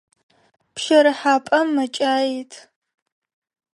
Пщэрыхьапӏэм мэкӏаи ит.